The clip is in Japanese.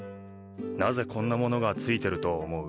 なぜこんなものがついてると思う？